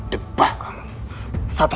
tapi dirimu sendiri